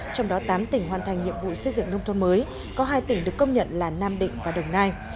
trong đó tám tỉnh hoàn thành nhiệm vụ xây dựng nông thôn mới có hai tỉnh được công nhận là nam định và đồng nai